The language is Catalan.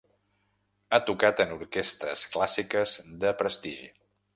Ha tocat en orquestres clàssiques de prestigi.